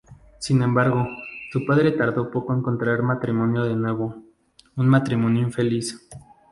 Sin embargo, su padre tardó poco en contraer matrimonio de nuevo, un matrimonio infeliz.